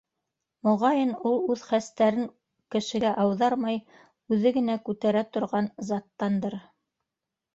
Моғайын, ул үҙ хәстәрен кешегә ауҙармай, үҙе генә күтәрә торған заттандыр.